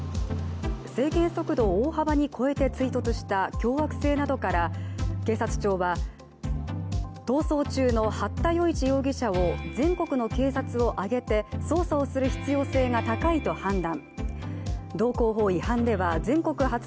制限速度を大幅に超えて追突した凶悪性などから警察庁は、逃走中の八田興一容疑者を全国の警察を挙げて捜査をする必要性が高いと判断。